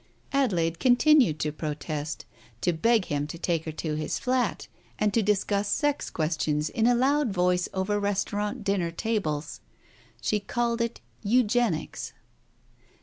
Adelaide continued to protest, to beg him to take her to his flat, and to discuss sex questions in a loud voice over restaurant dinner tables. She called it Eugenics.